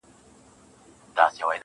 • دا به نو حتمي وي کرامت د نوي کال.